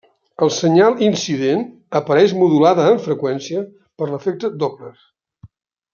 El senyal incident apareix modulada en freqüència per l'efecte Doppler.